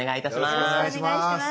よろしくお願いします。